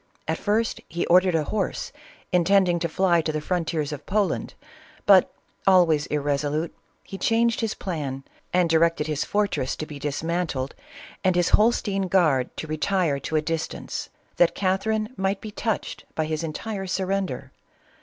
At first he ordered a horse, intending to fly to the frontiers of Poland, but, always irresolute, he changed his plan and directed his fortress to be dis mantled and his Holstein guard to retire to a distance, that Catherine might be touched by his entire surrender.